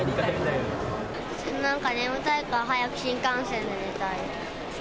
なんか眠たいから、早く新幹線で寝たい。